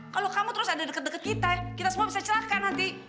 kalau kamu terus ada deket deket kita kita semua bisa cerahkan nanti